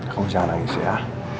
kamu jangan nangis ya